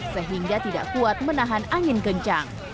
sehingga tidak kuat menahan angin kencang